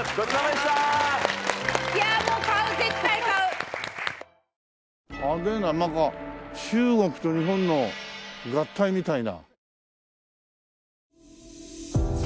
いやあもう派手ななんか中国と日本の合体みたいな。